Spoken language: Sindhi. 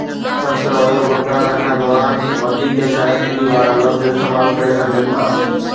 سخت رويو برقرار رکڻ دوران، وڌيڪ شائستگي وارا لفظ استعمال ڪري سگهجن ٿا.